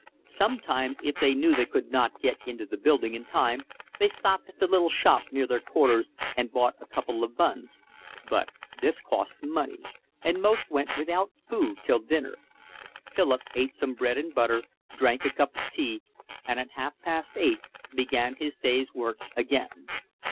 Sometimes, if they knew they could not get into the building in time, they stopped at the little shop near their quarters and bought a couple of buns; but this cost money, and most went without food till dinner. Philip ate some bread and butter, drank a cup of tea, and at half past eight began his day's work again.